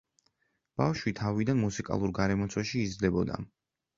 ბავშვი თავიდან მუსიკალურ გარემოცვაში იზრდებოდა.